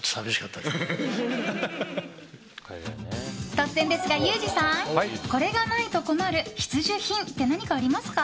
突然ですが、ユージさんこれがないと困る必需品って何かありますか？